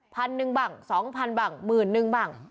พันหนึ่งบ้างสองพันบ้างหมื่นนึงบ้าง